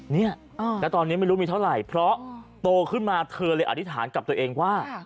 เนี่ยแล้วตอนนี้ไม่รู้มีเท่าไหร่เพราะโตขึ้นมาเธอเลยอธิษฐานกับตัวเองว่า